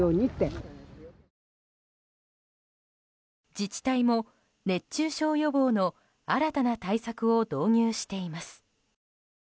自治体も熱中症予防の新たな対策を導入しています。